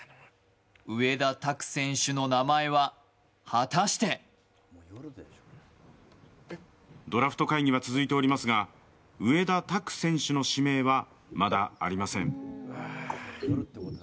植田拓選手の名前は、果たしてドラフト会議は続いておりますが、植田拓選手の指名は、まだありません。